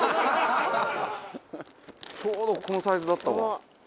ちょうどこのサイズだったわ。